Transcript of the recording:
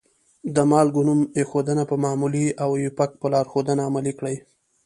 د مالګو نوم ایښودنه په معمولي او آیوپک په لارښودنه عملي کړئ.